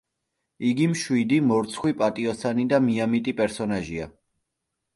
იგი მშვიდი, მორცხვი, პატიოსანი და მიამიტი პერსონაჟია.